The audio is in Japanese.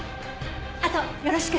あとよろしく！